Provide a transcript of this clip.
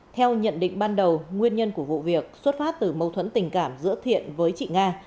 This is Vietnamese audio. theo nhận định ban đầu nguyên nhân của vụ việc xuất phát từ mâu thuẫn tình cảm giữa thiện với chị nga